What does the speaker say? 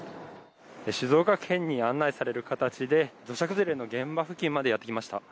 静岡県に案内される形で土砂崩れの現場付近までやってきました。